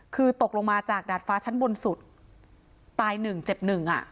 คือตกลงมาจากดาดฟ้าชั้นบนสุดตายหนึ่งเจ็บหนึ่งอ่ะ